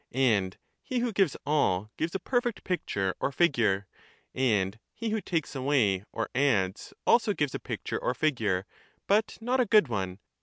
And he who gives all gives a perfect picture or figure ; and he who takes away or adds also gives a picture or figure, but not a good one.